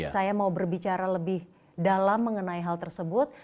saya mau berbicara lebih dalam mengenai hal tersebut